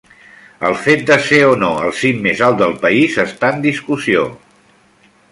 El fet de ser o no el cim més alt del país està en discussió.